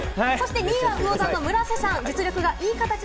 ２位はうお座の村瀬さん。